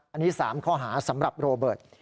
อันนี้๓ข้อหาสำหรับโรเบิร์ต